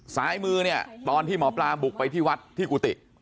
สายมือเนี่ยตอนที่หมอปลาบุกไปที่วัดที่กุฏิ